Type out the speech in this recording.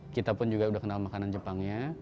kita pun juga udah kenal makanan jepangnya